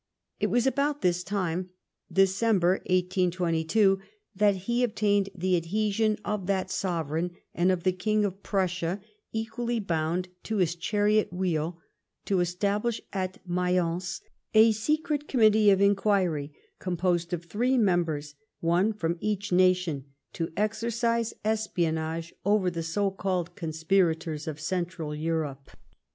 It was about this time, December 1822, that he obtained the adhesion of that sovereign and of the King of Prussia, equally Ijound to his chariot wheel, to establish at Mayence a secret Committee of Inquiry, composed of three members, one from each nation, to exercise espionage over the so called conspirators of Central Europe.